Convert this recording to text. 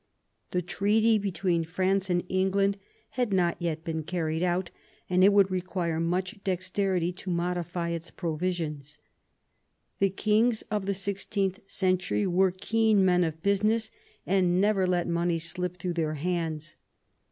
The treaty between France and England had not yet been carried out, and it would require much dexterity to modify its provision& The kings of the sixteenth century were keen men of business, and never let money slip through their hands.